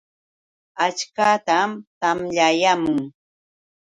Achkatam tamyayaamun.